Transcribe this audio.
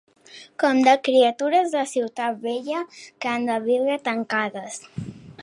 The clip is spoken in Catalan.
Com de criatures de ciutat vella que han de viure tancades